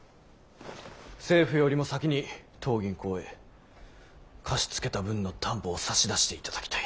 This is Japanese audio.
政府よりも先に当銀行へ貸し付けた分の担保を差し出していただきたい。